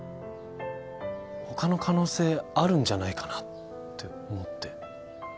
他の可能性あるんじゃないかなって思って。